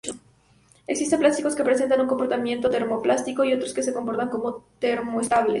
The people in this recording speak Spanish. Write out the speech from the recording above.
Existen plásticos que presentan un comportamiento termoplástico y otros que se comportan como termoestables.